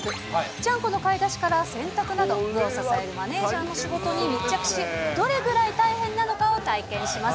ちゃんこの買い出しから洗濯など、支えるマネージャーの仕事に密着し、どれぐらい大変なのかを体験します。